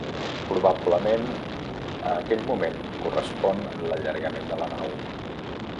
Probablement a aquell moment correspon l'allargament de la nau.